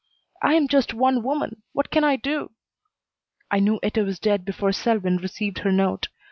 I am just one woman. What can I do? I knew Etta was dead before Selwyn received her note.